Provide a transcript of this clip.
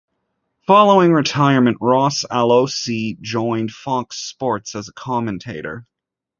Following retirement, Ross Aloisi joined Fox Sports as a commentator.